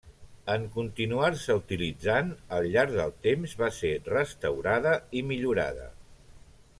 En continuar-se utilitzant al llarg del temps, va ser restaurada i millorada.